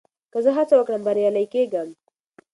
که زه هڅه وکړم، بريالی کېږم.